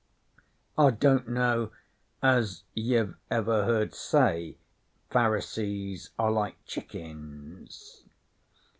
I don't know as you've ever heard say Pharisees are like chickens?'